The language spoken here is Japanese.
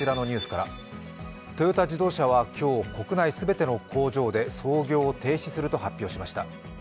トヨタ自動車は今日国内全ての工場で操業を停止すると発表しました。